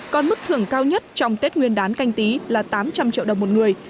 còn mức thưởng cao nhất trong tết nguyên đán canh tí là tám trăm linh triệu đồng một người